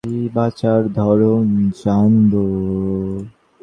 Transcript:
বাঁচার ধরণ জানবো।